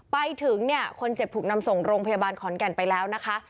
ไปถึงเนี่ยคนเจ็บถูกนำส่งโรงพยาบาลขอนแก่นไปแล้วนะคะ